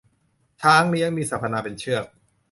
ช้างเลี้ยง มีสรรพนามเป็นเชือก